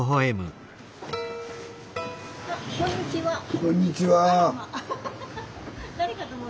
こんにちは。